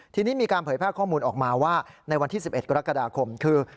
ทีนี้มีการเผยแพร่ข้อมูลออกมาว่าในวันที่๑๑กรกฎาคมคือ